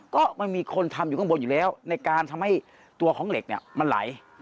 ก็มันมีคนทำอยู่ข้างบนอยู่แล้วในการทำให้ตัวของเหล็กเนี่ยมันไหล